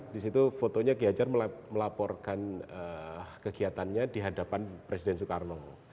di situ fotonya ki hajar melaporkan kegiatannya di hadapan presiden soekarno